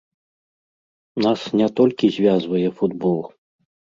Нас не толькі звязвае футбол.